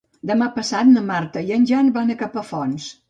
Demà passat na Marta i en Jan van a Capafonts.